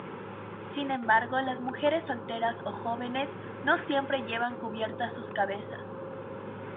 Sin embargo las mujeres solteras o jóvenes, no siempre llevan cubiertas sus cabezas.